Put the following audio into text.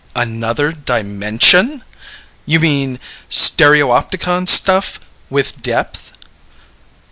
"Another dimension! You mean stereoptican stuff? With depth?"